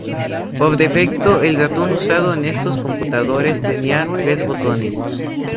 Por defecto, el ratón usado en estos computadores tenía tres botones.